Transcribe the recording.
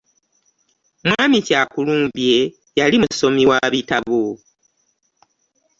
Mwami Kyakulumbye yali musomi wa bitabo.